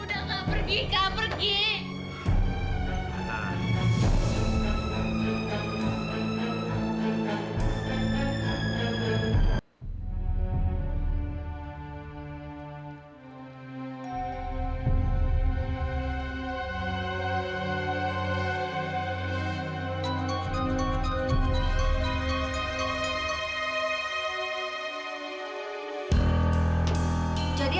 udah gak hear dia pergi anak bercanda kak fadil